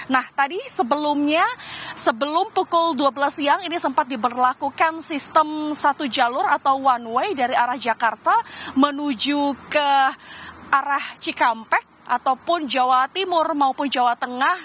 nah tadi sebelumnya sebelum pukul dua belas siang ini sempat diberlakukan sistem satu jalur atau one way dari arah jakarta menuju ke arah cikampek ataupun jawa timur maupun jawa tengah